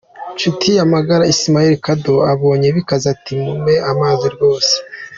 Nshutiyamagara Ismael Kodo abonye bikaze ati' Mumpe amazi rwose"!!.